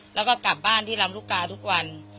แล้วก็กลับบ้านที่ลำลูกกาทุกวัน